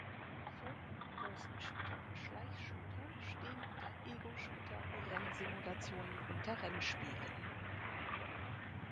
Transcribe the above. Third-Person-Shooter und Schleich-Shooter stehen unter Ego-Shooter, Rennsimulationen unter Rennspielen.